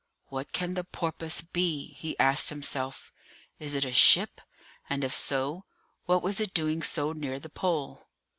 "What can the Porpoise be?" he asked himself. "Is it a ship? and if so, what was it doing so near the Pole?"